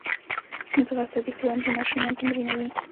ځغاسته د ښوونځي ماشومان تمرینوي